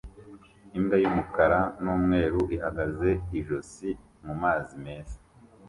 Imbwa yumukara numweru ihagaze ijosi mumazi meza